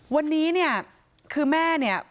วันนี้เนี่ยคือแม่เนี่ย